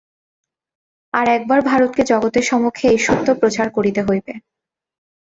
আর একবার ভারতকে জগতের সমক্ষে এই সত্য প্রচার করিতে হইবে।